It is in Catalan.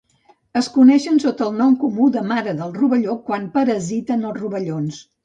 Es coneixen sota el nom comú de mare del rovelló quan parasiten els rovellons.